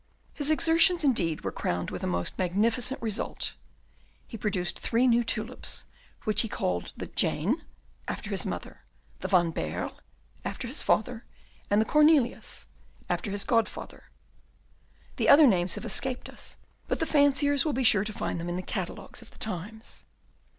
His exertions, indeed, were crowned with a most magnificent result: he produced three new tulips, which he called the "Jane," after his mother; the "Van Baerle," after his father; and the "Cornelius," after his godfather; the other names have escaped us, but the fanciers will be sure to find them in the catalogues of the times.